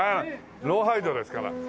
『ローハイド』ですから。